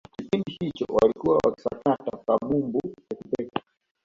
kipindi hicho walikuwa wakilisakata kabumbu pekupeku